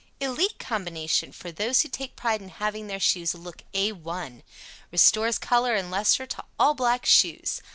"ELITE" Combination for those who take pride in having their shoes look A 1. Restores color and lustre to all black shoes.